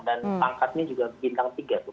dan pangkatnya juga bintang tiga tuh